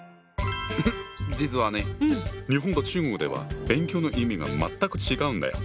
実はね日本と中国では「勉強」の意味が全く違うんだよ。